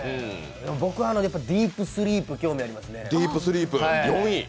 僕、ディープスリープ、興味ありますねえ。